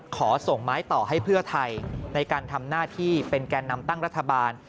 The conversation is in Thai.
ขอส่งไม้ต่อให้เพื่อไทยในการทำหน้าที่เป็นแก่นำตั้งรัฐบาล